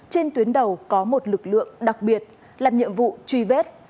trên tuyến đầu có một lực lượng đặc biệt làm nhiệm vụ truy vết